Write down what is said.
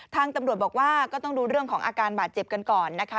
ทางตำรวจบอกว่าก็ต้องดูเรื่องของอาการบาดเจ็บกันก่อนนะคะ